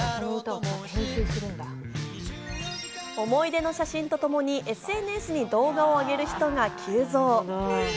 思い出の写真とともにＳＮＳに動画をあげる人が急増。